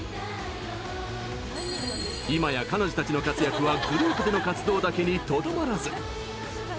今や彼女たちの活躍はグループでの活動だけにとどまらず。